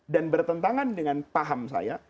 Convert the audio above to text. dan bertentangan dengan paham saya